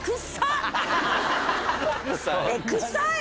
くさい？